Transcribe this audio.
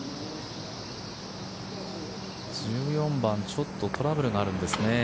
１４番、ちょっとトラブルがあるんですね。